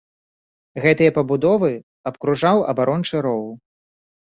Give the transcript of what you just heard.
Гэтыя пабудовы абкружаў абарончы роў.